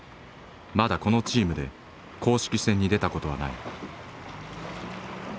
まだこのチームで公式戦に出たことはない。